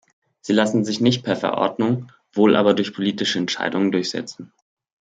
Sie lassen sich nicht per Verordnung, wohl aber durch politische Entscheidungen durchsetzen.